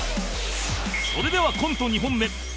それではコント２本目